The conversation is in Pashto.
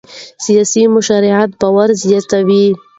سیاسي مشروعیت باور زېږوي